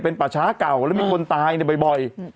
เป็นประชาเก่าแล้วมีคนตายเนี่ยบ่อย